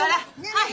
はい。